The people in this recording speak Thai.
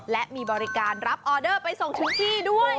และมีบริการรับออเดอร์ไปส่งถึงที่ด้วย